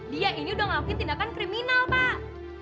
dia ini udah ngakuin tindakan kriminal pak